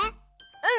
うん！